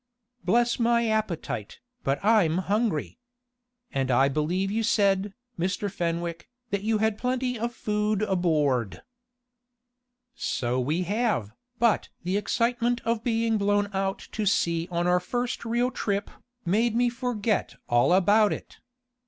Bless my appetite, but I'm hungry! and I believe you said, Mr. Fenwick, that you had plenty of food aboard." "So we have, but the excitement of being blown out to sea on our first real trip, made me forget all about it.